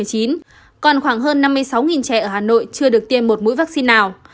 còn khoảng hơn năm mươi sáu trẻ ở hà nội chưa được tiêm một mũi vaccine nào